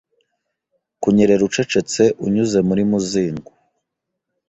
kunyerera ucecetse unyuze muri muzingo.